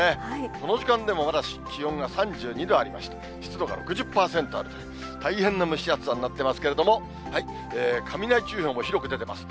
この時間でもまだ気温が３２度ありまして、湿度が６０％あるという、大変な蒸し暑さになってますけれども、雷注意報も広く出てます。